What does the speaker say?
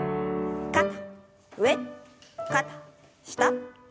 肩上肩下。